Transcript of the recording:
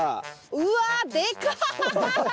うわでか！